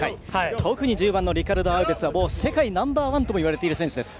特に１０番のリカルド・アウベスは世界ナンバーワンともいわれている選手です。